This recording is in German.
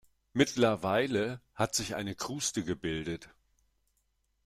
Mittlerweile hat sich eine Kruste gebildet.